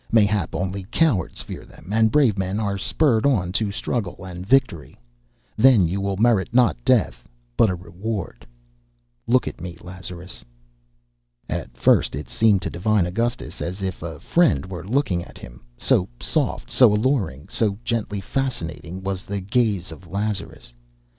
Mayhap only cowards fear them, and brave men are spurred on to struggle and victory. Then will you merit not death but a reward. Look at me, Lazarus." At first it seemed to divine Augustus as if a friend were looking at him, so soft, so alluring, so gently fascinating was the gaze of Lazarus.